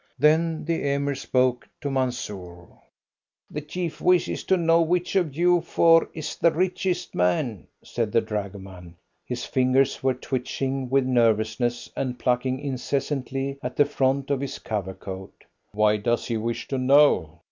Then the Emir spoke to Mansoor. "The chief wishes to know which of you four is the richest man?" said the dragoman. His fingers were twitching with nervousness and plucking incessantly at the front of his covercoat. "Why does he wish to know?"